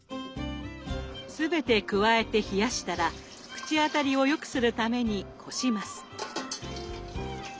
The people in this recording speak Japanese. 全て加えて冷やしたら口当たりをよくするためにこします。